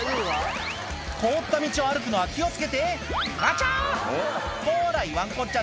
凍った道を歩くのは気を付けてあちゃ！